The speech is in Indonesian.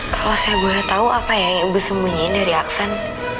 kalau saya boleh tahu apa yang ibu sembunyiin dari aksan